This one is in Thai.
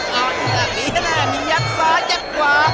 อ๋อตั้งแต่นี้แน่มียักษ์ซ้ายักษ์ขวา